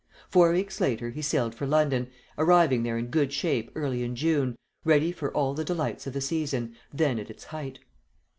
Four weeks later he sailed for London, arriving there in good shape early in June, ready for all the delights of the season, then at its height.